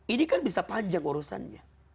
ini kan bisa panjang urusannya